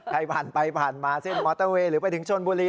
ใครผ่านไปผ่านมาเส้นมอเตอร์เวย์หรือไปถึงชนบุรี